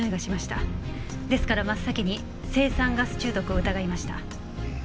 ですから真っ先に青酸ガス中毒を疑いました。